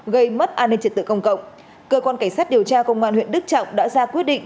gây mất an ninh trật tự công cộng cơ quan cảnh sát điều tra công an huyện đức trọng đã ra quyết định